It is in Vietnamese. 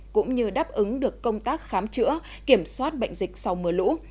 cũng như đáp ứng được công tác khám chữa kiểm soát bệnh dịch sau mưa lũ